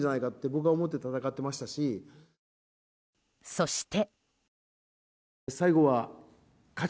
そして。